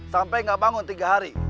sampai nggak bangun tiga hari